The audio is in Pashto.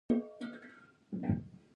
د کوانټم کمپیوټر په سوپرپوزیشن کار کوي.